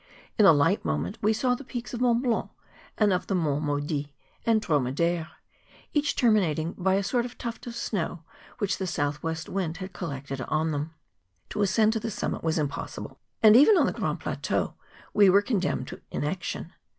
In a light moment we saw the peaks of Mont Blanc, and of the Monts Maudits and Dromadaire, each terminated by a sort of tuft of snow which the south west wind had col¬ lected on them. To ascend to the summit was impossible, and even on the Grand Plateau we were condemned to inaction.